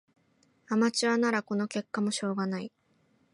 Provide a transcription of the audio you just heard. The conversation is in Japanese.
アマチュアならこの結果もしょうがない